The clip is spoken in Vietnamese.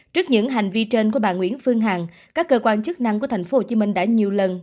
trước những hành vi trên của bà nguyễn phương hằng các cơ quan chức năng của tp hcm đã nhiều lần